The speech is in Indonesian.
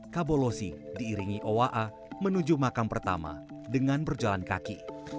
kabolosi diiringi owa a menuju makam pertama dengan berjalan kaki